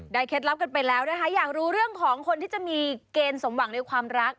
เคล็ดลับกันไปแล้วนะคะอยากรู้เรื่องของคนที่จะมีเกณฑ์สมหวังในความรัก